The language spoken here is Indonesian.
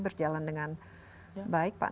berjalan dengan baik pak